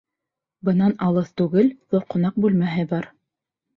Бынан алыҫ түгел ҙур ҡунаҡ бүлмәһе бар.